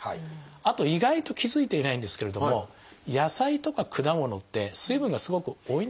あと意外と気付いていないんですけれども野菜とか果物って水分がすごく多いんですよね。